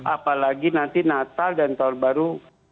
apalagi nanti natal dan tahun baru